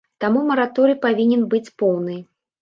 Таму мараторый павінен быць поўны.